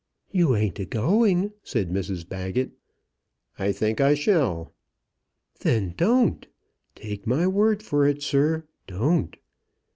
"You ain't a going?" said Mrs Baggett. "I think I shall." "Then don't. Take my word for it, sir, don't."